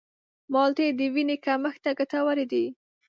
مالټې د وینې کمښت ته ګټورې دي.